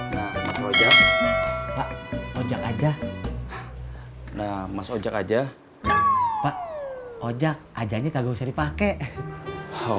ni aku bisa jumpa notono